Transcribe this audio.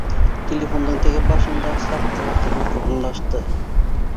Телефондың теге башында саҡ ҡына тынлыҡ урынлаш ты